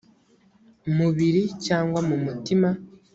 mubiri cyangwa mu mutima